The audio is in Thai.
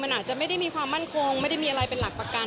มันอาจจะไม่ได้มีความมั่นคงไม่ได้มีอะไรเป็นหลักประกัน